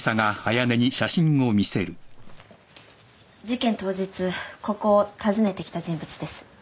事件当日ここを訪ねてきた人物です。